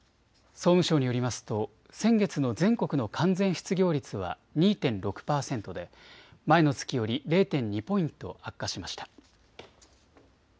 総務省によりますと先月の全国の完全失業率は２．６％で前の月より０．２ポイント悪化しました。